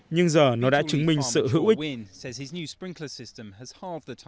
nhưng giờ nó đã chứng minh sự hữu ích